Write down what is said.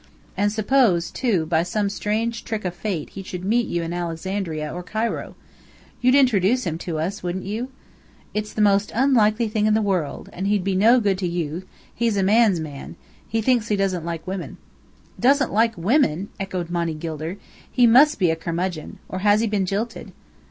And suppose, too, by some strange trick of fate he should meet you in Alexandria or Cairo? You'd introduce him to us, wouldn't you?" "It's the most unlikely thing in the world. And he'd be no good to you. He's a man's man. He thinks he doesn't like women." "Doesn't like women!" echoed Monny Gilder. "He must be a curmudgeon. Or has he been jilted?"